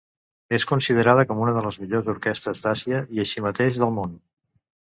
És considerada com una de les millors orquestres d'Àsia i així mateix del món.